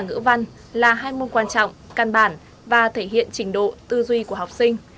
môn ngữ văn là hai môn quan trọng căn bản và thể hiện trình độ tư duy của học sinh